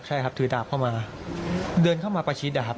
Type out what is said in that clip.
ใช่ครับถือดาบเข้ามาเดินเข้ามาประชิดอะครับ